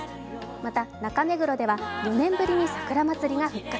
また中目黒では４年ぶりに桜まつりが復活。